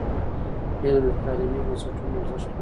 علم د تعلیمي بنسټونو ارزښت لوړوي.